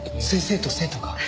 先生と生徒が？